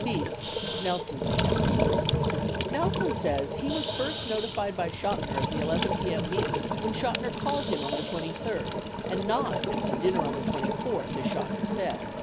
b. Nelson's Account Nelson says he was first notified by Chotiner of the 11 p.m. meet ing when Chotiner called him on the 23d — and not at the dinner on the 24th as Chotiner said.